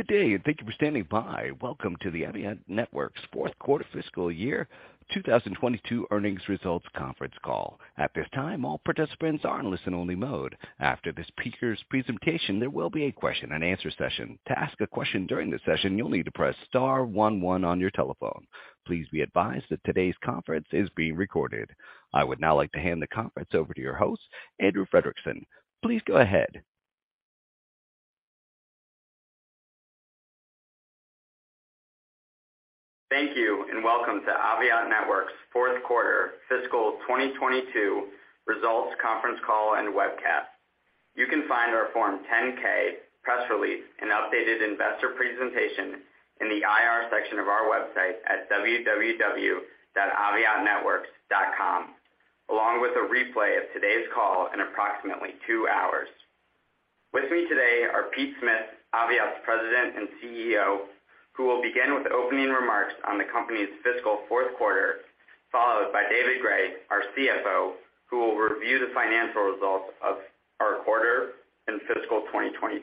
Good day, and thank you for standing by. Welcome to the Aviat Networks Fourth Quarter Fiscal Year 2022 Earnings Results Conference Call. At this time, all participants are in listen-only mode. After the speaker's presentation, there will be a question-and-answer session. To ask a question during the session, you'll need to press star one one on your telephone. Please be advised that today's conference is being recorded. I would now like to hand the conference over to your host, Andrew Fredrickson. Please go ahead. Thank you, and welcome to Aviat Networks Fourth Quarter Fiscal 2022 Results Conference Call and Webcast. You can find our form 10-K, press release, and updated investor presentation in the IR section of our website at www.aviatnetworks.com, along with a replay of today's call in approximately 2 hours. With me today are Pete Smith, Aviat's President and CEO, who will begin with opening remarks on the company's fiscal fourth quarter, followed by David Gray, our CFO, who will review the financial results of our quarter in fiscal 2022.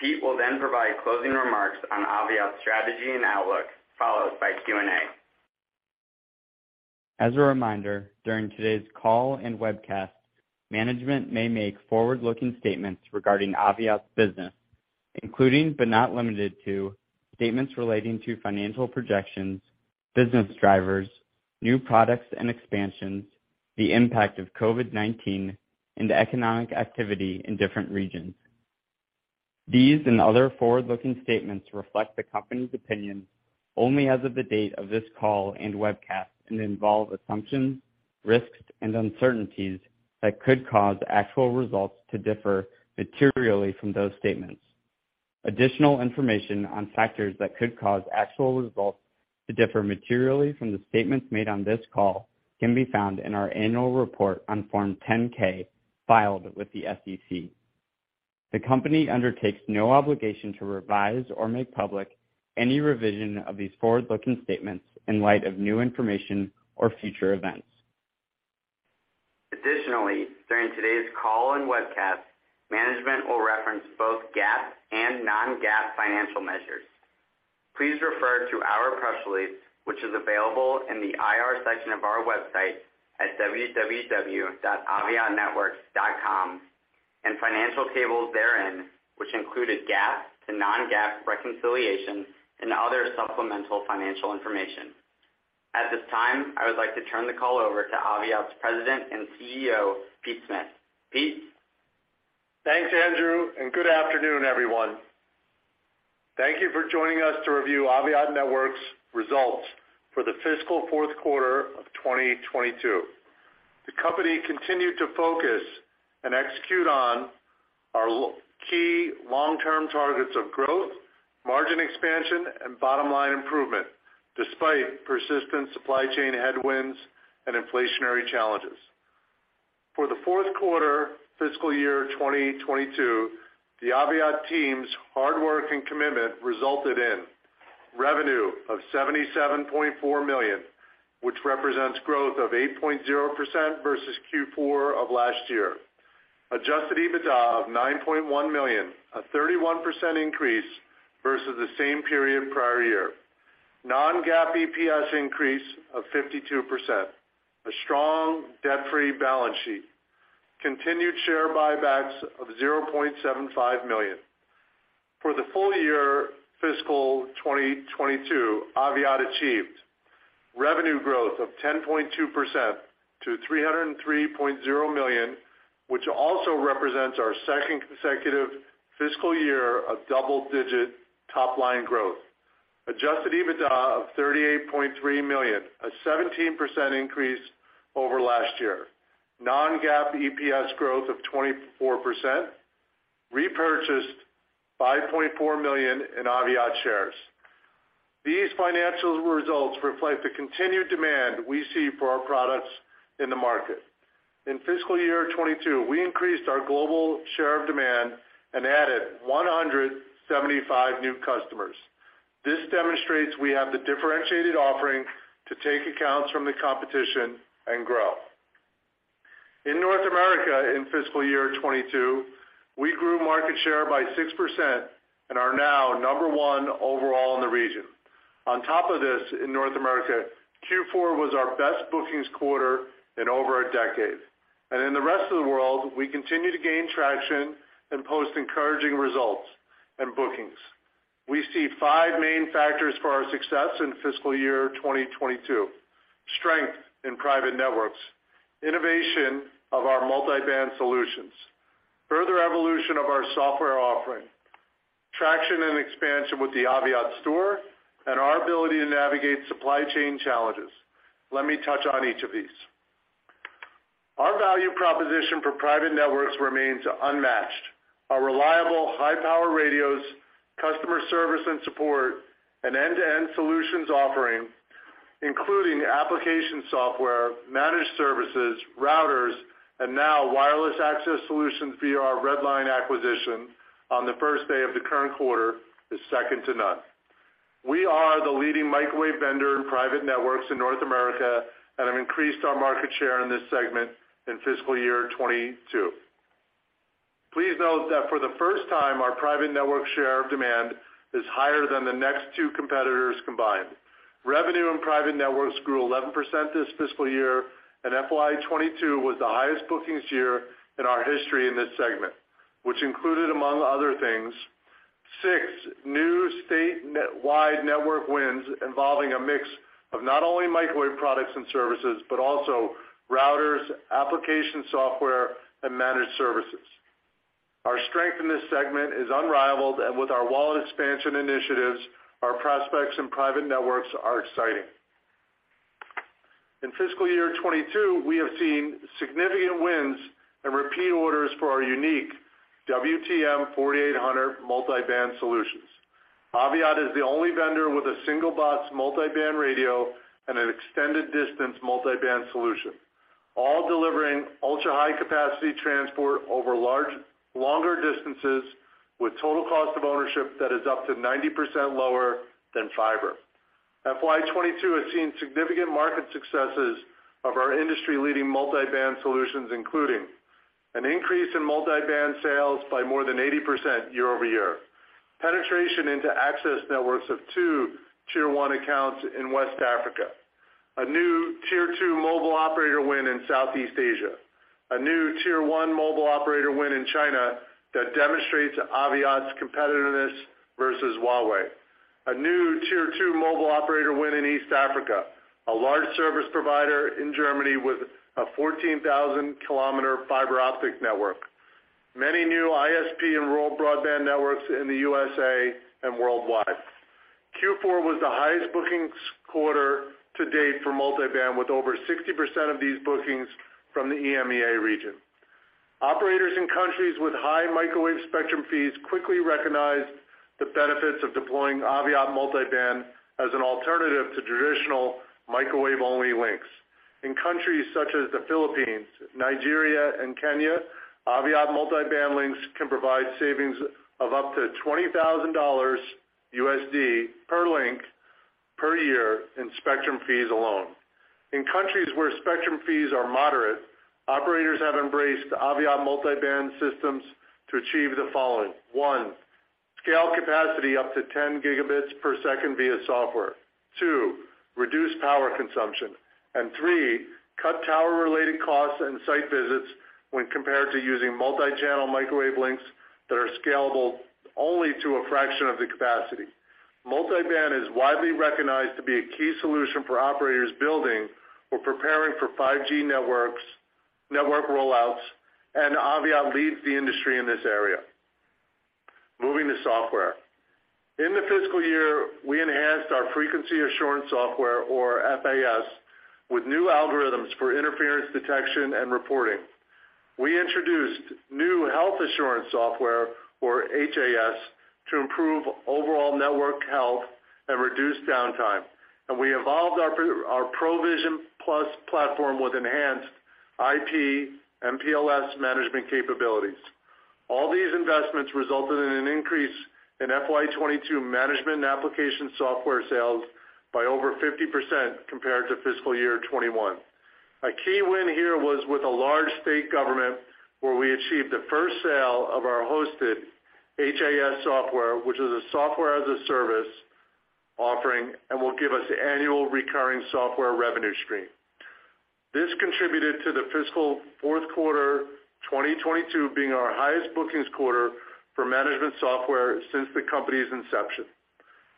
Pete will then provide closing remarks on Aviat's strategy and outlook, followed by Q&A. As a reminder, during today's call and webcast, management may make forward-looking statements regarding Aviat's business, including but not limited to statements relating to financial projections, business drivers, new products and expansions, the impact of COVID-19, and economic activity in different regions. These and other forward-looking statements reflect the company's opinions only as of the date of this call and webcast and involve assumptions, risks, and uncertainties that could cause actual results to differ materially from those statements. Additional information on factors that could cause actual results to differ materially from the statements made on this call can be found in our annual report on Form 10-K filed with the SEC. The company undertakes no obligation to revise or make public any revision of these forward-looking statements in light of new information or future events. Additionally, during today's call and webcast, management will reference both GAAP and non-GAAP financial measures. Please refer to our press release, which is available in the IR section of our website at www.aviatnetworks.com, and financial tables therein, which included GAAP to non-GAAP reconciliation and other supplemental financial information. At this time, I would like to turn the call over to Aviat's President and CEO, Pete Smith. Pete? Thanks, Andrew, and good afternoon, everyone. Thank you for joining us to review Aviat Networks results for the fiscal fourth quarter of 2022. The company continued to focus and execute on our key long-term targets of growth, margin expansion, and bottom-line improvement despite persistent supply chain headwinds and inflationary challenges. For the fourth quarter fiscal year 2022, the Aviat team's hard work and commitment resulted in revenue of $77.4 million, which represents growth of 8.0% versus Q4 of last year. Adjusted EBITDA of $9.1 million, a 31% increase versus the same period prior year. Non-GAAP EPS increase of 52%. A strong debt-free balance sheet. Continued share buybacks of 0.75 million. For the full year fiscal 2022, Aviat achieved revenue growth of 10.2% to $303.0 million, which also represents our second consecutive fiscal year of double-digit top-line growth. Adjusted EBITDA of $38.3 million, a 17% increase over last year. Non-GAAP EPS growth of 24%. Repurchased $5.4 million in Aviat shares. These financial results reflect the continued demand we see for our products in the market. In fiscal year 2022, we increased our global share of demand and added 175 new customers. This demonstrates we have the differentiated offering to take accounts from the competition and grow. In North America in fiscal year 2022, we grew market share by 6% and are now number one overall in the region. On top of this, in North America, Q4 was our best bookings quarter in over a decade. In the rest of the world, we continue to gain traction and post encouraging results and bookings. We see five main factors for our success in fiscal year 2022. Strength in private networks, innovation of our multiband solutions, further evolution of our software offering, traction and expansion with the Aviat Store, and our ability to navigate supply chain challenges. Let me touch on each of these. Our value proposition for private networks remains unmatched. Our reliable high-power radios, customer service and support, and end-to-end solutions offering, including application software, managed services, routers, and now wireless access solutions via our Redline acquisition on the first day of the current quarter, is second to none. We are the leading microwave vendor in private networks in North America, and have increased our market share in this segment in fiscal year 2022. Please note that for the first time, our private network share of demand is higher than the next two competitors combined. Revenue in private networks grew 11% this fiscal year, and FY 2022 was the highest bookings year in our history in this segment, which included, among other things, 6 new statewide network wins involving a mix of not only microwave products and services, but also routers, application software and managed services. Our strength in this segment is unrivaled, and with our wallet expansion initiatives, our prospects in private networks are exciting. In fiscal year 2022, we have seen significant wins and repeat orders for our unique WTM 4800 Multi-Band solutions. Aviat is the only vendor with a single box Multi-Band radio and an extended distance Multi-Band solution, all delivering ultra-high capacity transport over longer distances with total cost of ownership that is up to 90% lower than fiber. FY 2022 has seen significant market successes of our industry-leading multiband solutions, including an increase in multiband sales by more than 80% year-over-year, penetration into access networks of two tier one accounts in West Africa, a new tier two mobile operator win in Southeast Asia, a new tier one mobile operator win in China that demonstrates Aviat's competitiveness versus Huawei, a new tier two mobile operator win in East Africa, a large service provider in Germany with a 14,000-kilometer fiber-optic network, many new ISP and rural broadband networks in the USA and worldwide. Q4 was the highest bookings quarter to date for multiband, with over 60% of these bookings from the EMEA region. Operators in countries with high microwave spectrum fees quickly recognized the benefits of deploying Aviat multiband as an alternative to traditional microwave-only links. In countries such as the Philippines, Nigeria and Kenya, Aviat Multi-Band links can provide savings of up to $20,000 per link per year in spectrum fees alone. In countries where spectrum fees are moderate, operators have embraced Aviat Multi-Band systems to achieve the following. One, scale capacity up to 10 Gbps via software. Two, reduce power consumption. Three, cut tower-related costs and site visits when compared to using multichannel microwave links that are scalable only to a fraction of the capacity. Multi-Band is widely recognized to be a key solution for operators building or preparing for 5G networks, network rollouts, and Aviat leads the industry in this area. Moving to software. In the fiscal year, we enhanced our Frequency Assurance Software, or FAS, with new algorithms for interference detection and reporting. We introduced new Health Assurance Software, or HAS, to improve overall network health and reduce downtime. We evolved our ProVision Plus platform with enhanced IP/MPLS management capabilities. All these investments resulted in an increase in FY 2022 management and application software sales by over 50% compared to fiscal year 2021. A key win here was with a large state government, where we achieved the first sale of our hosted HAS software, which is a software-as-a-service offering and will give us annual recurring software revenue stream. This contributed to the fiscal fourth quarter 2022 being our highest bookings quarter for management software since the company's inception.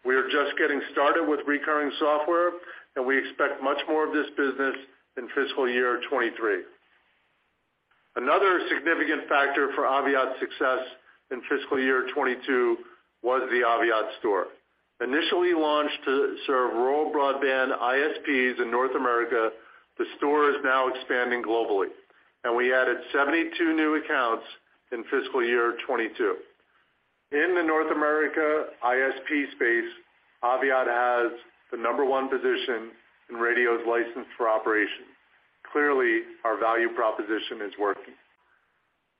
We are just getting started with recurring software, and we expect much more of this business in fiscal year 2023. Another significant factor for Aviat's success in fiscal year 2022 was the Aviat Store. Initially launched to serve rural broadband ISPs in North America, the store is now expanding globally, and we added 72 new accounts in fiscal year 2022. In the North America ISP space, Aviat has the number one position in radios licensed for operation. Clearly, our value proposition is working.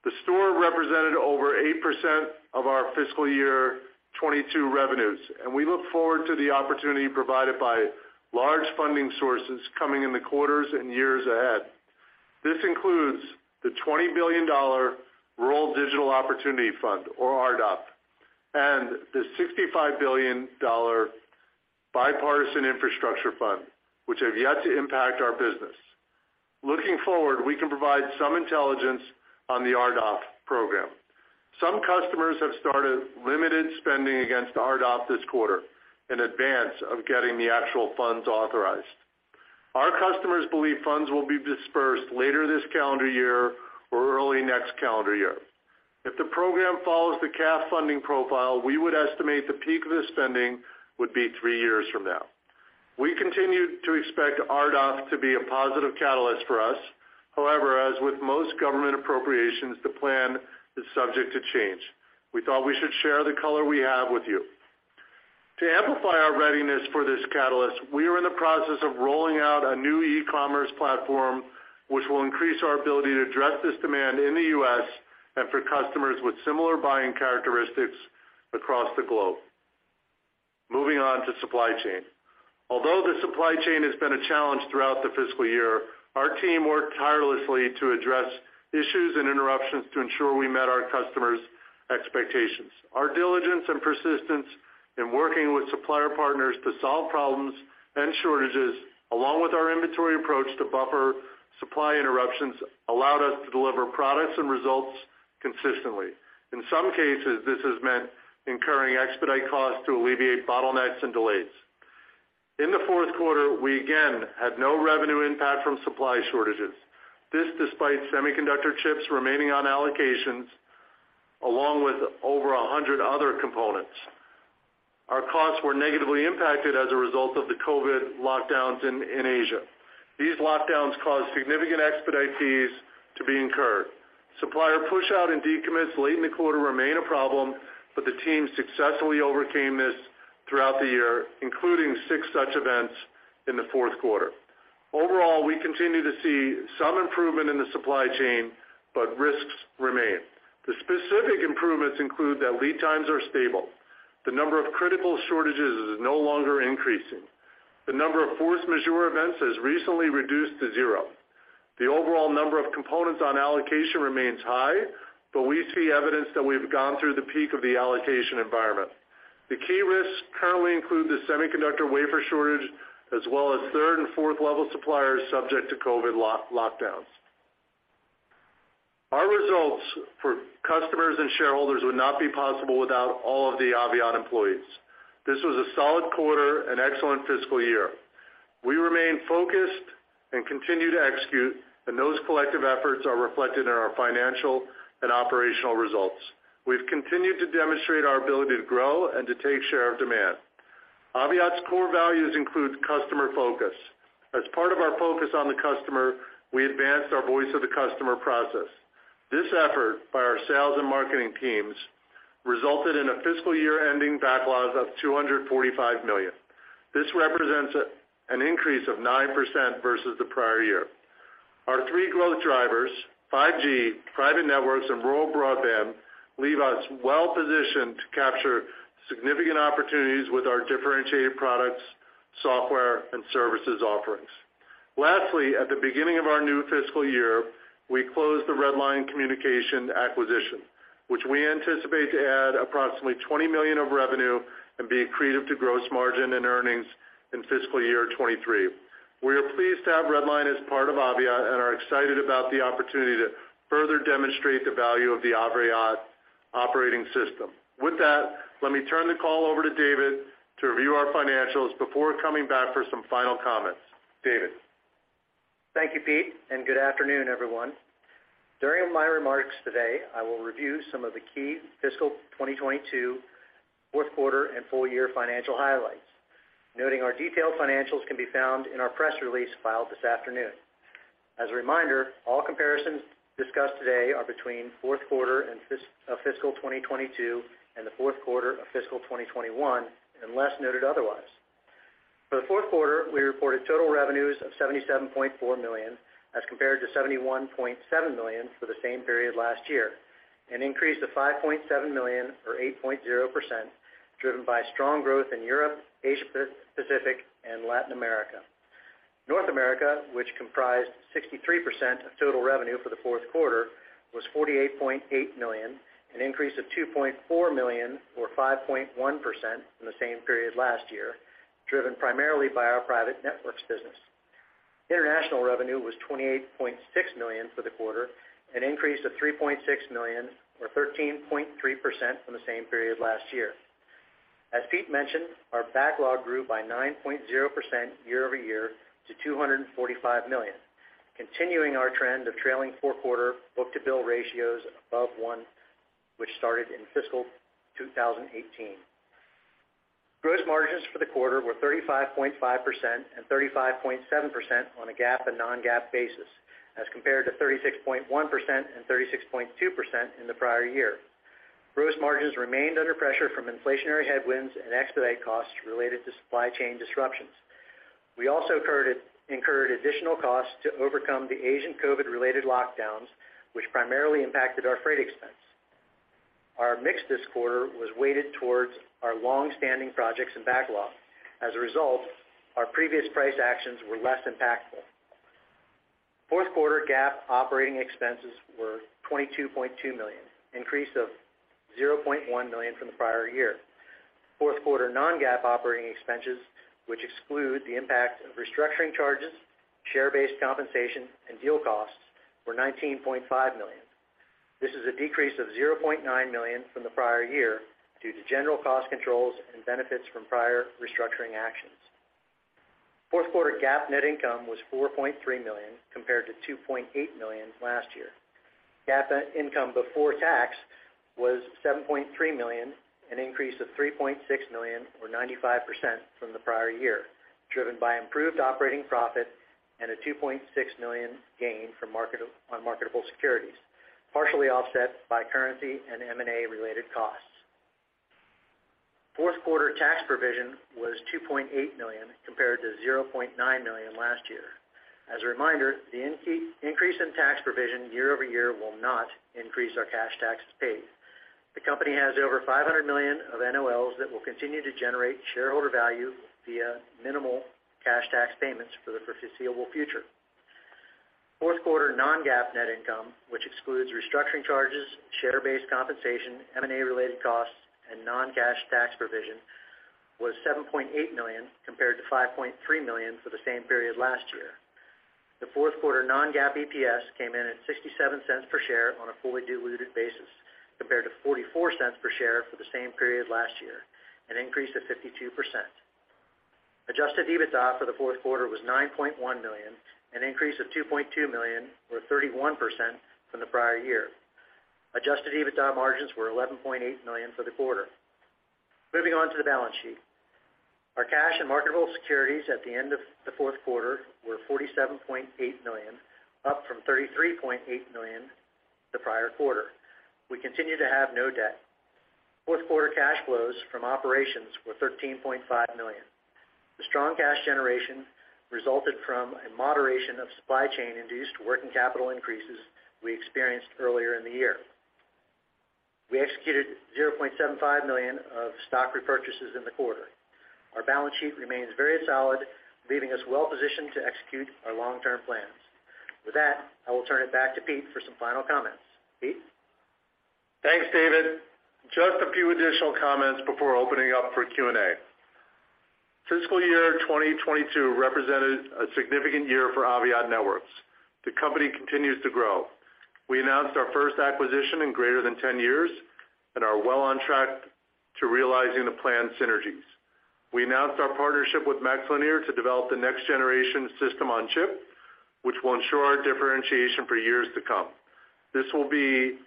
The store represented over 8% of our fiscal year 2022 revenues, and we look forward to the opportunity provided by large funding sources coming in the quarters and years ahead. This includes the $20 billion Rural Digital Opportunity Fund, or RDOF, and the $65 billion Bipartisan Infrastructure Framework, which have yet to impact our business. Looking forward, we can provide some intelligence on the RDOF program. Some customers have started limited spending against RDOF this quarter in advance of getting the actual funds authorized. Our customers believe funds will be dispersed later this calendar year or early next calendar year. If the program follows the CAF funding profile, we would estimate the peak of the spending would be three years from now. We continue to expect RDOF to be a positive catalyst for us. However, as with most government appropriations, the plan is subject to change. We thought we should share the color we have with you. To amplify our readiness for this catalyst, we are in the process of rolling out a new e-commerce platform, which will increase our ability to address this demand in the U.S. and for customers with similar buying characteristics across the globe. Moving on to supply chain. Although the supply chain has been a challenge throughout the fiscal year, our team worked tirelessly to address issues and interruptions to ensure we met our customers' expectations. Our diligence and persistence in working with supplier partners to solve problems and shortages, along with our inventory approach to buffer supply interruptions, allowed us to deliver products and results consistently. In some cases, this has meant incurring expedite costs to alleviate bottlenecks and delays. In the fourth quarter, we again had no revenue impact from supply shortages. This despite semiconductor chips remaining on allocations along with over 100 other components. Our costs were negatively impacted as a result of the COVID lockdowns in Asia. These lockdowns caused significant expedite fees to be incurred. Supplier push-outs and decommits late in the quarter remain a problem, but the team successfully overcame this throughout the year, including 6 such events in the fourth quarter. Overall, we continue to see some improvement in the supply chain, but risks remain. The specific improvements include that lead times are stable. The number of critical shortages is no longer increasing. The number of force majeure events has recently reduced to zero. The overall number of components on allocation remains high, but we see evidence that we've gone through the peak of the allocation environment. The key risks currently include the semiconductor wafer shortage as well as third and fourth-level suppliers subject to COVID lockdowns. Our results for customers and shareholders would not be possible without all of the Aviat employees. This was a solid quarter and excellent fiscal year. We remain focused and continue to execute, and those collective efforts are reflected in our financial and operational results. We've continued to demonstrate our ability to grow and to take share of demand. Aviat's core values include customer focus. As part of our focus on the customer, we advanced our voice of the customer process. This effort by our sales and marketing teams resulted in a fiscal year-ending backlog of $245 million. This represents an increase of 9% versus the prior year. Our three growth drivers, 5G, private networks, and rural broadband, leave us well positioned to capture significant opportunities with our differentiated products, software, and services offerings. Lastly, at the beginning of our new fiscal year, we closed the Redline Communications acquisition, which we anticipate to add approximately $20 million of revenue and be accretive to gross margin and earnings in fiscal year 2023. We are pleased to have Redline as part of Aviat and are excited about the opportunity to further demonstrate the value of the Aviat operating system. With that, let me turn the call over to David to review our financials before coming back for some final comments. David? Thank you, Pete, and good afternoon, everyone. During my remarks today, I will review some of the key fiscal 2022 fourth quarter and full year financial highlights, noting our detailed financials can be found in our press release filed this afternoon. As a reminder, all comparisons discussed today are between fourth quarter and fiscal 2022 and the fourth quarter of fiscal 2021, unless noted otherwise. For the fourth quarter, we reported total revenues of $77.4 million as compared to $71.7 million for the same period last year, an increase of $5.7 million or 8.0%, driven by strong growth in Europe, Asia-Pacific, and Latin America. North America, which comprised 63% of total revenue for the fourth quarter, was $48.8 million, an increase of $2.4 million or 5.1% from the same period last year, driven primarily by our private networks business. International revenue was $28.6 million for the quarter, an increase of $3.6 million or 13.3% from the same period last year. As Pete mentioned, our backlog grew by 9.0% year-over-year to $245 million, continuing our trend of trailing four-quarter book-to-bill ratios above one, which started in fiscal 2018. Gross margins for the quarter were 35.5% and 35.7% on a GAAP and non-GAAP basis as compared to 36.1% and 36.2% in the prior year. Gross margins remained under pressure from inflationary headwinds and expedite costs related to supply chain disruptions. We also incurred additional costs to overcome the Asian COVID-related lockdowns, which primarily impacted our freight expense. Our mix this quarter was weighted towards our long-standing projects and backlog. As a result, our previous price actions were less impactful. Fourth quarter GAAP operating expenses were $22.2 million, increase of $0.1 million from the prior year. Fourth quarter non-GAAP operating expenses, which exclude the impact of restructuring charges, share-based compensation, and deal costs were $19.5 million. This is a decrease of $0.9 million from the prior year due to general cost controls and benefits from prior restructuring actions. Fourth quarter GAAP net income was $4.3 million, compared to $2.8 million last year. GAAP income before tax was $7.3 million, an increase of $3.6 million or 95% from the prior year, driven by improved operating profit and a $2.6 million gain from marketable securities, partially offset by currency and M&A-related costs. Fourth quarter tax provision was $2.8 million compared to $0.9 million last year. As a reminder, the increase in tax provision year-over-year will not increase our cash taxes paid. The company has over $500 million of NOLs that will continue to generate shareholder value via minimal cash tax payments for the foreseeable future. Fourth quarter non-GAAP net income, which excludes restructuring charges, share-based compensation, M&A related costs, and non-cash tax provision was $7.8 million compared to $5.3 million for the same period last year. The fourth quarter non-GAAP EPS came in at $0.67 per share on a fully diluted basis, compared to $0.44 per share for the same period last year, an increase of 52%. Adjusted EBITDA for the fourth quarter was $9.1 million, an increase of $2.2 million or 31% from the prior year. Adjusted EBITDA margins were $11.8 million for the quarter. Moving on to the balance sheet. Our cash and marketable securities at the end of the fourth quarter were $47.8 million, up from $33.8 million the prior quarter. We continue to have no debt. Fourth quarter cash flows from operations were $13.5 million. The strong cash generation resulted from a moderation of supply chain induced working capital increases we experienced earlier in the year. We executed $0.75 million of stock repurchases in the quarter. Our balance sheet remains very solid, leaving us well positioned to execute our long-term plans. With that, I will turn it back to Pete for some final comments. Pete? Thanks, David. Just a few additional comments before opening up for Q&A. Fiscal year 2022 represented a significant year for Aviat Networks. The company continues to grow. We announced our first acquisition in greater than 10 years and are well on track to realizing the planned synergies. We announced our partnership with MaxLinear to develop the next generation system-on-chip, which will ensure our differentiation for years to come. This will be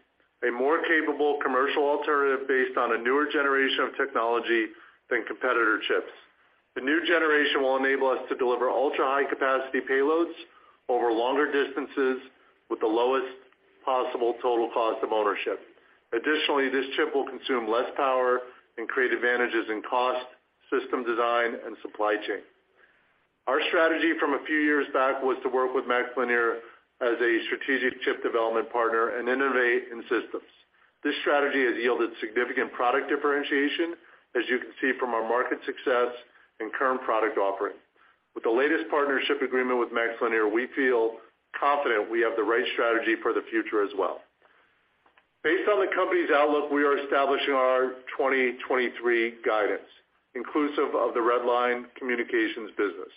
a more capable commercial alternative based on a newer generation of technology than competitor chips. The new generation will enable us to deliver ultra-high capacity payloads over longer distances with the lowest possible total cost of ownership. Additionally, this chip will consume less power and create advantages in cost, system design, and supply chain. Our strategy from a few years back was to work with MaxLinear as a strategic chip development partner and innovate in systems. This strategy has yielded significant product differentiation, as you can see from our market success and current product offering. With the latest partnership agreement with MaxLinear, we feel confident we have the right strategy for the future as well. Based on the company's outlook, we are establishing our 2023 guidance, inclusive of the Redline Communications business.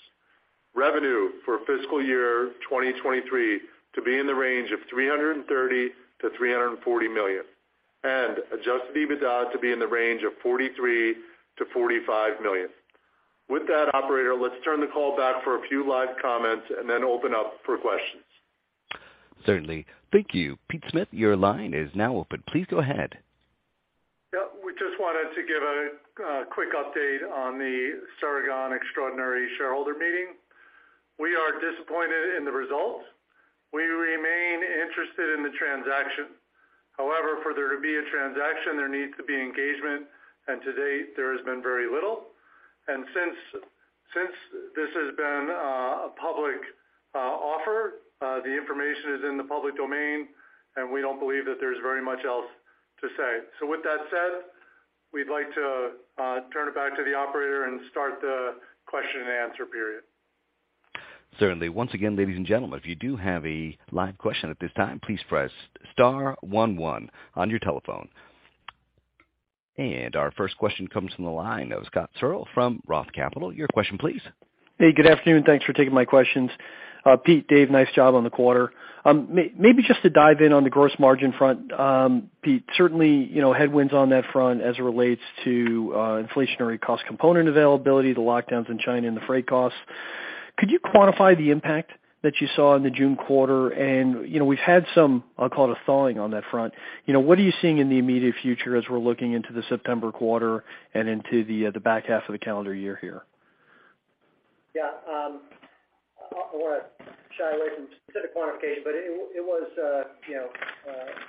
Revenue for fiscal year 2023 to be in the range of $330 million-$340 million, and adjusted EBITDA to be in the range of $43 million-$45 million. With that, operator, let's turn the call back for a few live comments and then open up for questions. Certainly. Thank you. Peter Smith, your line is now open. Please go ahead. Yeah. We just wanted to give a quick update on the Ceragon extraordinary shareholder meeting. We are disappointed in the results. We remain interested in the transaction. However, for there to be a transaction, there needs to be engagement. To date, there has been very little. Since this has been a public offer, the information is in the public domain, and we don't believe that there's very much else to say. With that said, we'd like to turn it back to the operator and start the question and answer period. Certainly. Once again, ladies and gentlemen, if you do have a live question at this time, please press star one one on your telephone. Our first question comes from the line of Scott Searle from Roth Capital Partners. Your question, please. Hey, good afternoon. Thanks for taking my questions. Pete, Dave, nice job on the quarter. Maybe just to dive in on the gross margin front, Pete, certainly, you know, headwinds on that front as it relates to, inflationary cost component availability, the lockdowns in China, and the freight costs. Could you quantify the impact that you saw in the June quarter? You know, we've had some, I'll call it, a thawing on that front. You know, what are you seeing in the immediate future as we're looking into the September quarter and into the back half of the calendar year here? Yeah. I don't wanna shy away from specific quantification, but it was, you know,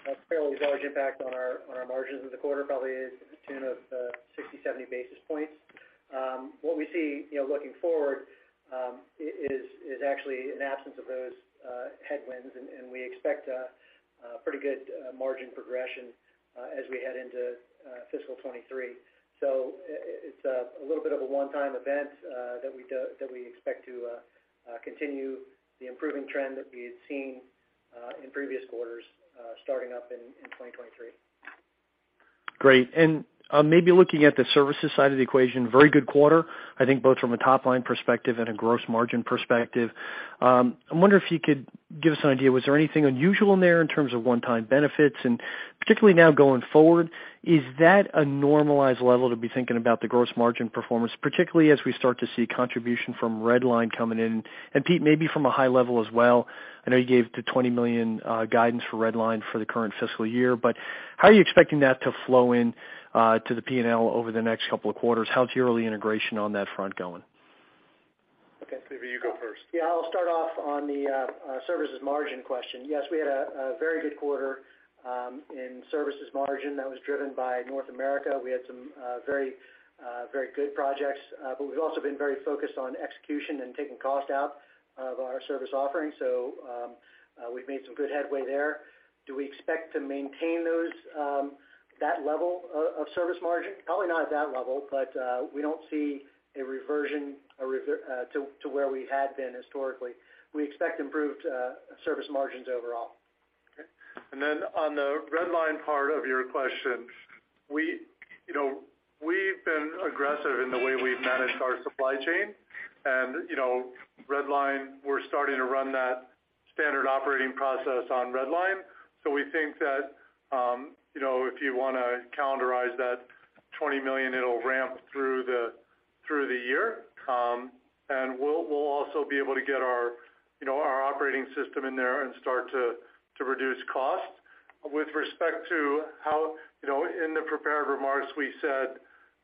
a fairly large impact on our margins in the quarter, probably to the tune of 60, 70 basis points. What we see, you know, looking forward, is actually an absence of those headwinds, and we expect a pretty good margin progression as we head into fiscal 2023. It's a little bit of a one-time event that we expect to continue the improving trend that we had seen in previous quarters starting up in 2023. Great. Maybe looking at the services side of the equation, very good quarter, I think both from a top line perspective and a gross margin perspective. I wonder if you could give us an idea, was there anything unusual in there in terms of one-time benefits? Particularly now going forward, is that a normalized level to be thinking about the gross margin performance, particularly as we start to see contribution from Redline coming in? Pete, maybe from a high level as well, I know you gave the $20 million guidance for Redline for the current fiscal year, but how are you expecting that to flow in to the P&L over the next couple of quarters? How's your early integration on that front going? Okay. Maybe you go first. Yeah, I'll start off on the services margin question. Yes, we had a very good quarter in services margin that was driven by North America. We had some very good projects, but we've also been very focused on execution and taking cost out of our service offerings. We've made some good headway there. Do we expect to maintain that level of service margin? Probably not at that level, but we don't see a reversion to where we had been historically. We expect improved service margins overall. Okay. On the Redline part of your question, we, you know, we've been aggressive in the way we've managed our supply chain. You know, Redline, we're starting to run that standard operating process on Redline. We think that, you know, if you wanna calendarize that $20 million, it'll ramp through the year. We'll also be able to get our, you know, our operating system in there and start to reduce costs. With respect to how, you know, in the prepared remarks, we said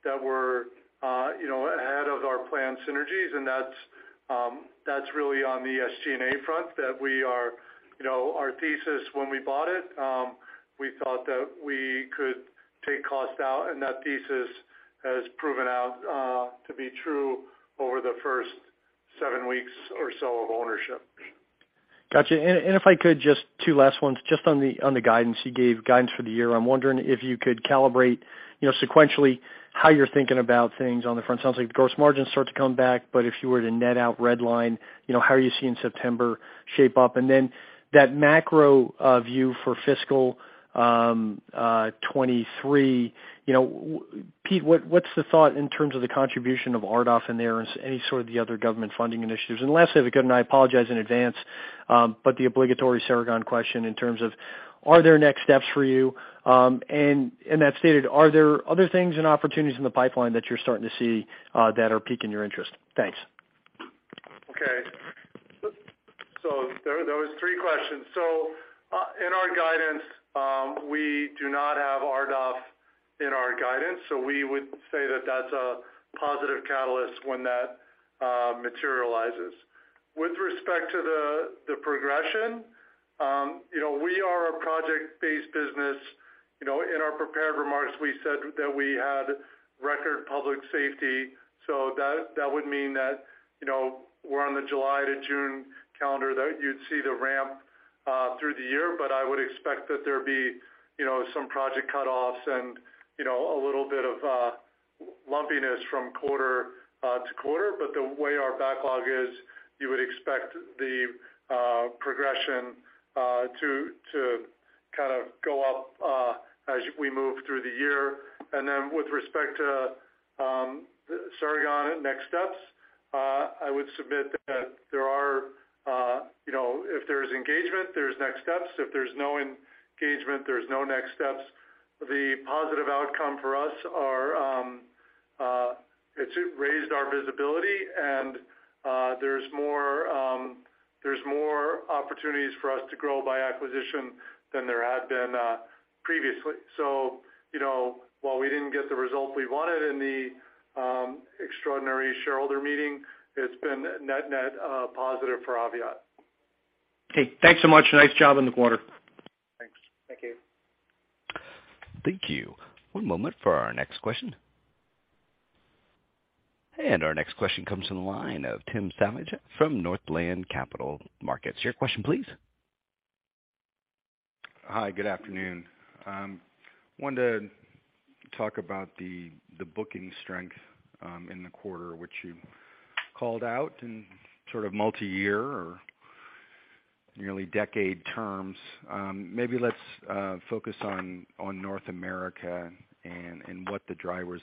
that we're, you know, ahead of our planned synergies, and that's really on the SG&A front that we are, you know, our thesis when we bought it, we thought that we could take costs out, and that thesis has proven out to be true over the first seven weeks or so of ownership. Got you. If I could, just two last ones. Just on the guidance, you gave guidance for the year. I'm wondering if you could calibrate, you know, sequentially how you're thinking about things on the front. Sounds like the gross margin start to come back, but if you were to net out Redline, you know, how are you seeing September shape up? Then that macro view for fiscal 2023, you know, Pete, what's the thought in terms of the contribution of RDOF in there and any sort of the other government funding initiatives? Last, if I could, I apologize in advance, but the obligatory Ceragon question in terms of, are there next steps for you? That stated, are there other things and opportunities in the pipeline that you're starting to see that are piquing your interest? Thanks. There was three questions. In our guidance, we do not have RDOF in our guidance, so we would say that that's a positive catalyst when that materializes. With respect to the progression, you know, we are a project-based business. You know, in our prepared remarks, we said that we had record public safety, so that would mean that, you know, we're on the July to June calendar that you'd see the ramp through the year. I would expect that there'd be, you know, some project cutoffs and, you know, a little bit of lumpiness from quarter to quarter. The way our backlog is, you would expect the progression to kind of go up as we move through the year. With respect to Ceragon next steps, I would submit that there are, you know, if there's engagement, there's next steps. If there's no engagement, there's no next steps. The positive outcome for us are, it's raised our visibility and, there's more opportunities for us to grow by acquisition than there had been, previously. You know, while we didn't get the result we wanted in the extraordinary shareholder meeting, it's been net-net, positive for Aviat. Okay. Thanks so much. Nice job in the quarter. Thanks. Thank you. Thank you. One moment for our next question. Our next question comes from the line of Timothy Savageaux from Northland Capital Markets. Your question, please. Hi, good afternoon. Wanted to talk about the booking strength in the quarter, which you called out in sort of multiyear or nearly decade terms. Maybe let's focus on North America and what the drivers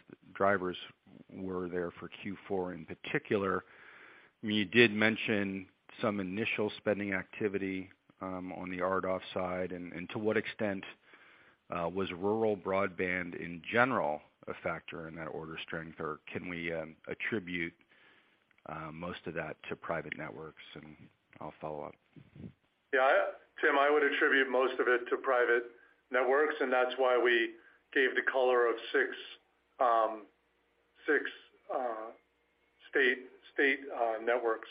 were there for Q4 in particular. I mean, you did mention some initial spending activity on the RDOF side. To what extent was rural broadband in general a factor in that order strength, or can we attribute most of that to private networks, and I'll follow up. Yeah, Tim, I would attribute most of it to private networks, and that's why we gave the color of 6 state networks.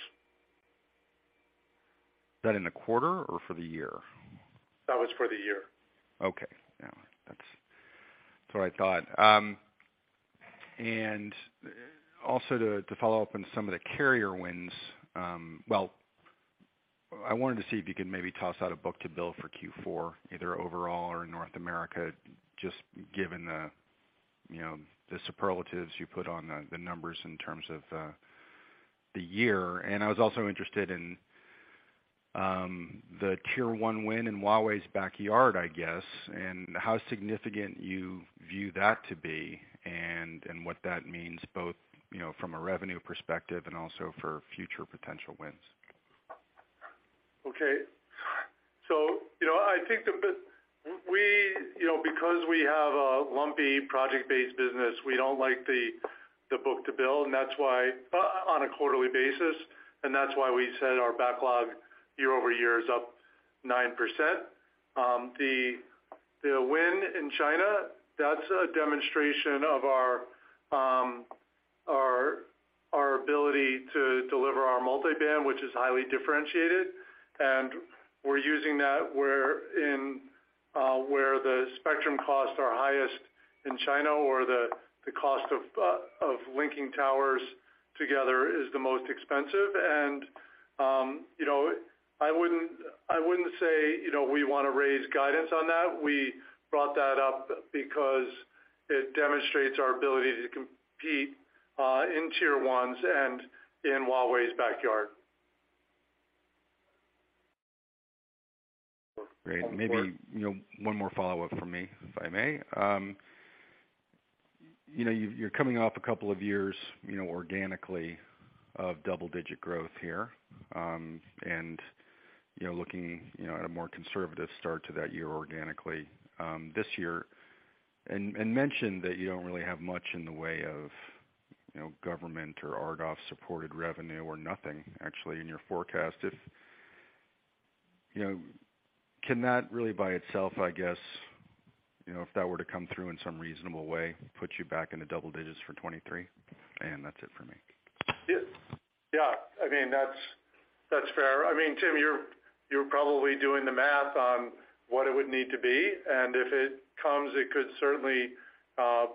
Is that in the quarter or for the year? That was for the year. Okay. Yeah, that's what I thought. Also to follow up on some of the carrier wins, well, I wanted to see if you could maybe toss out a book-to-bill for Q4, either overall or in North America, just given the, you know, the superlatives you put on the numbers in terms of the year. I was also interested in the Tier one win in Huawei's backyard, I guess, and how significant you view that to be and what that means both, you know, from a revenue perspective and also for future potential wins. You know, I think we, you know, because we have a lumpy project-based business, we don't like the book-to-bill on a quarterly basis, and that's why we said our backlog year-over-year is up 9%. The win in China, that's a demonstration of our ability to deliver our Multi-Band, which is highly differentiated. We're using that where the spectrum costs are highest in China or the cost of linking towers together is the most expensive. You know, I wouldn't say, you know, we wanna raise guidance on that. We brought that up because it demonstrates our ability to compete in tier ones and in Huawei's backyard. Great. Maybe, you know, one more follow-up from me, if I may. You know, you're coming off a couple of years, you know, organically of double-digit growth here, and, you know, looking, you know, at a more conservative start to that year organically, this year, and mentioned that you don't really have much in the way of, you know, government or RDOF supported revenue or nothing actually in your forecast. If, you know, can that really by itself, I guess, you know, if that were to come through in some reasonable way, put you back into double digits for 2023? That's it for me. Yeah. Yeah, I mean, that's fair. I mean, Tim, you're probably doing the math on what it would need to be. If it comes, it could certainly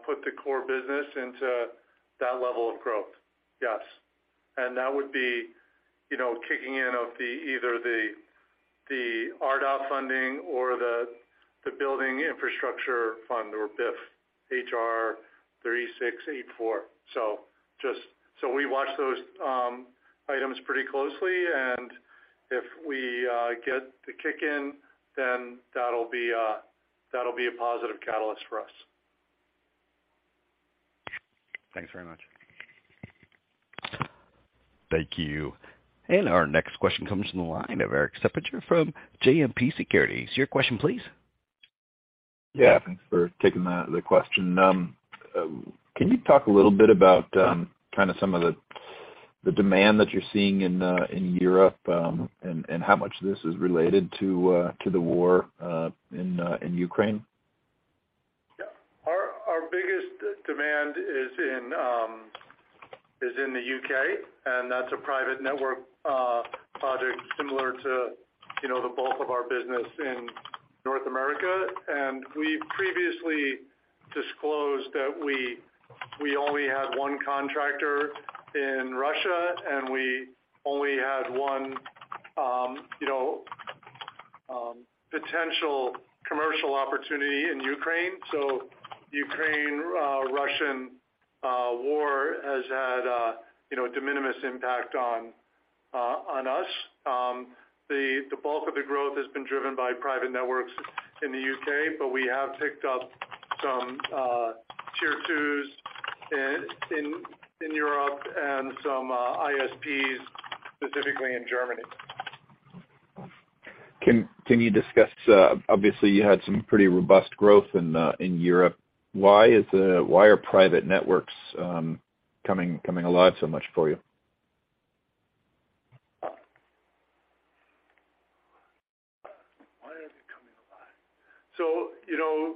put the core business into that level of growth. Yes. That would be, you know, kicking in of either the RDOF funding or the Bipartisan Infrastructure fund or BIF H.R. 3684. We watch those items pretty closely. If we get the kick in, then that'll be a positive catalyst for us. Thanks very much. Thank you. Our next question comes from the line of Erik Suppiger from JMP Securities. Your question, please. Yeah, thanks for taking the question. Can you talk a little bit about kinda some of the demand that you're seeing in Europe, and how much of this is related to the war in Ukraine? Yeah. Our biggest demand is in the U.K., and that's a private network project similar to, you know, the bulk of our business in North America. We previously disclosed that we only had one contractor in Russia, and we only had one, you know, potential commercial opportunity in Ukraine. Ukraine-Russian war has had a, you know, de minimis impact on us. The bulk of the growth has been driven by private networks in the U.K., but we have picked up some tier twos in Europe and some ISPs, specifically in Germany. Can you discuss, obviously you had some pretty robust growth in Europe. Why are private networks coming alive so much for you? Why are they coming alive? You know,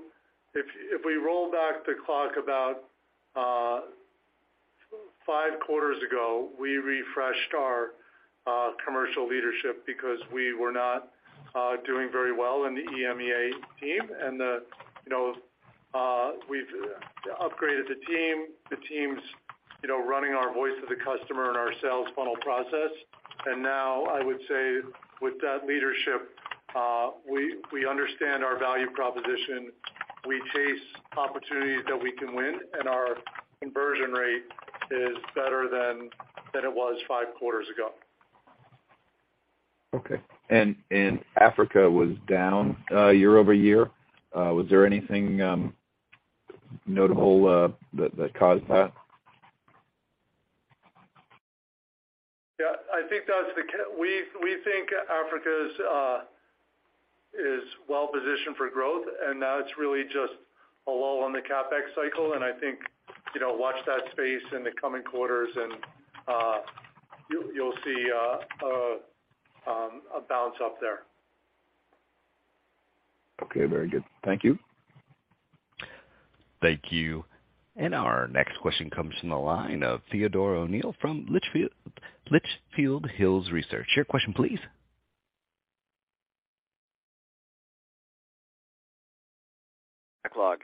if we roll back the clock about five quarters ago, we refreshed our commercial leadership because we were not doing very well in the EMEA team. The, you know, we've upgraded the team. The team's, you know, running our voice of the customer and our sales funnel process. Now I would say with that leadership, we understand our value proposition. We chase opportunities that we can win, and our conversion rate is better than it was five quarters ago. Okay. Africa was down year-over-year. Was there anything notable that caused that? We think Africa's is well positioned for growth, and now it's really just a lull on the CapEx cycle. I think, you know, watch that space in the coming quarters and you'll see a bounce up there. Okay. Very good. Thank you. Thank you. Our next question comes from the line of Theodore O'Neill from Litchfield Hills Research. Your question, please. Backlog.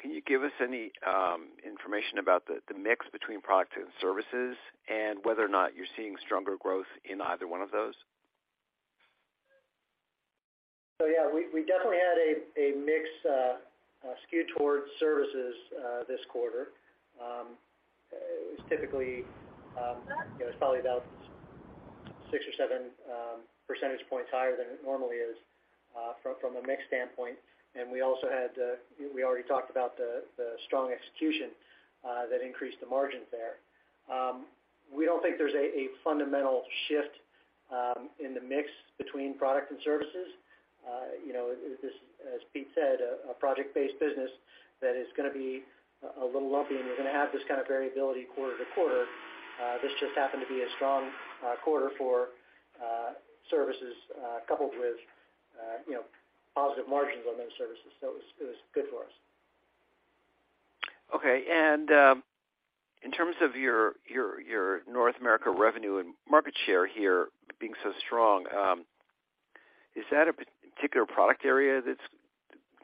Can you give us any information about the mix between products and services and whether or not you're seeing stronger growth in either one of those? Yeah, we definitely had a mix skewed towards services this quarter. It was typically, you know, it's probably about 6 or 7 percentage points higher than it normally is from a mix standpoint. We also had, we already talked about the strong execution that increased the margins there. We don't think there's a fundamental shift in the mix between product and services. You know, this, as Pete said, a project-based business that is gonna be a little lumpy, and you're gonna have this kind of variability quarter to quarter. This just happened to be a strong quarter for services coupled with, you know, positive margins on those services. It was good for us. Okay. In terms of your North America revenue and market share here being so strong, is that a particular product area that's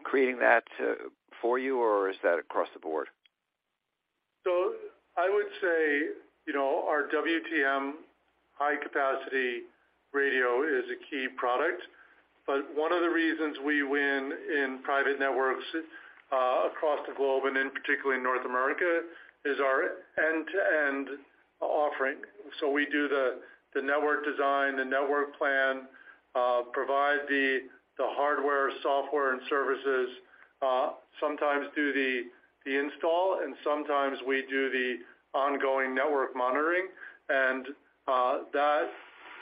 creating that for you or is that across the board? I would say, you know, our WTM high-capacity radio is a key product. One of the reasons we win in private networks across the globe and in particular in North America is our end-to-end offering. We do the network design, the network plan, provide the hardware, software, and services, sometimes do the install, and sometimes we do the ongoing network monitoring.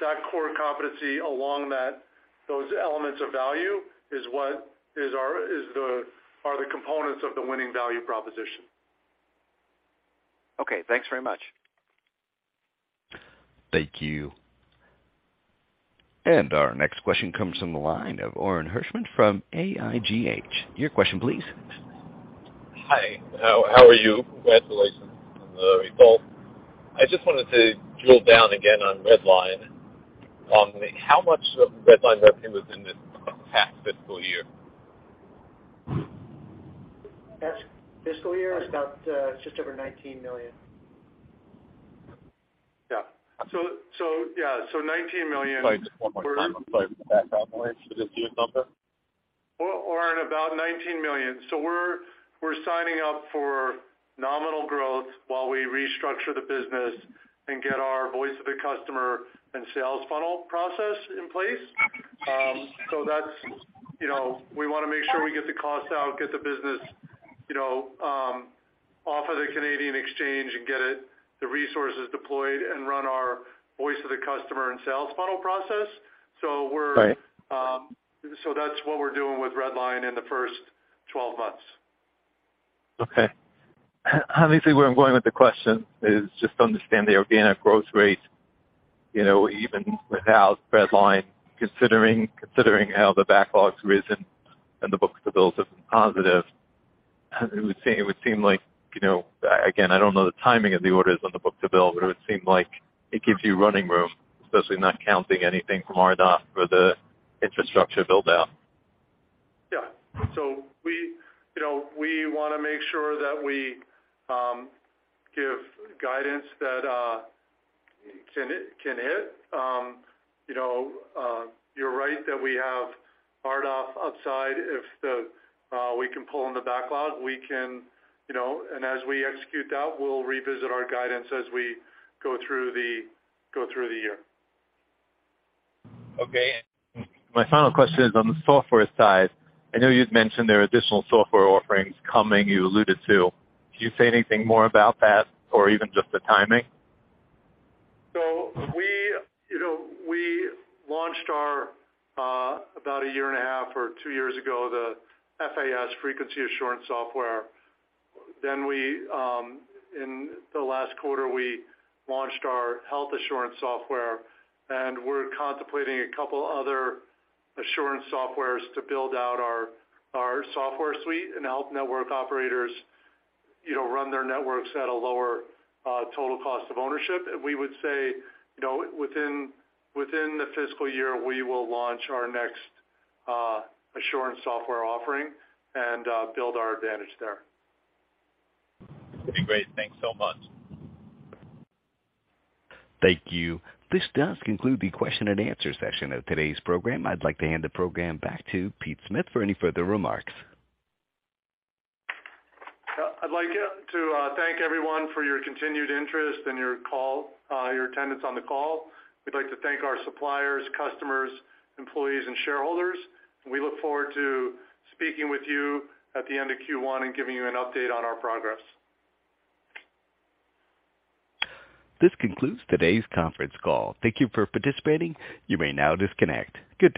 That core competency along those elements of value are the components of the winning value proposition. Okay, thanks very much. Thank you. Our next question comes from the line of Orin Hirschman from AIGH. Your question please. Hi, how are you? Congratulations on the results. I just wanted to drill down again on Redline. How much of Redline revenue was in this past fiscal year? Past fiscal year? It's about just over $19 million. $19 million- Sorry, just one more time. I'm sorry. Can you back up Orin to just give the number? Orin, about $19 million. We're signing up for nominal growth while we restructure the business and get our voice of the customer and sales funnel process in place. That's, you know, we want to make sure we get the costs out, get the business, you know, off of the Canadian exchange and get the resources deployed and run our voice of the customer and sales funnel process. We're Right. That's what we're doing with Redline in the first 12 months. Okay. Obviously, where I'm going with the question is just to understand the organic growth rate, you know, even without Redline, considering how the backlog's risen and the book-to-bill has been positive. It would seem like, you know, again, I don't know the timing of the orders on the book-to-bill, but it would seem like it gives you running room, especially not counting anything from RDOF for the infrastructure build-out. Yeah. We, you know, we wanna make sure that we give guidance that can hit. You know, you're right that we have RDOF upside if we can pull in the backlog, we can, you know. As we execute that, we'll revisit our guidance as we go through the year. Okay. My final question is on the software side. I know you'd mentioned there are additional software offerings coming you alluded to. Can you say anything more about that or even just the timing? We, you know, we launched our about a year and a half or two years ago, the FAS, Frequency Assurance Software. We in the last quarter, we launched our Health Assurance Software, and we're contemplating a couple other assurance softwares to build out our software suite and help network operators, you know, run their networks at a lower total cost of ownership. We would say, you know, within the fiscal year, we will launch our next assurance software offering and build our advantage there. That'd be great. Thanks so much. Thank you. This does conclude the question and answer session of today's program. I'd like to hand the program back to Pete Smith for any further remarks. Yeah, I'd like to thank everyone for your continued interest and your attendance on the call. We'd like to thank our suppliers, customers, employees and shareholders, and we look forward to speaking with you at the end of Q1 and giving you an update on our progress. This concludes today's conference call. Thank you for participating. You may now disconnect. Good day.